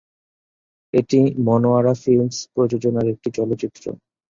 এটি মনোয়ারা ফিল্মস্ প্রযোজনার একটি চলচ্চিত্র।